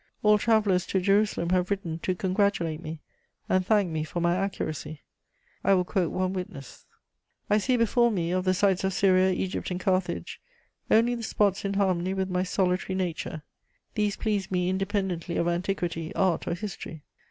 All the travellers to Jerusalem have written to congratulate me and thank me for my accuracy; I will quote one witness. * I see before me, of the sites of Syria, Egypt and Carthage, only the spots in harmony with my solitary nature; these pleased me independently of antiquity, art or history.